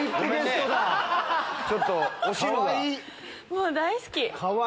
もう大好き！